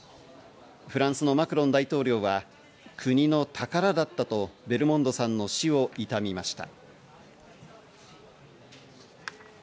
フランスのマクロン大統領は国の宝だったとベルモンドさんの死を悼みました。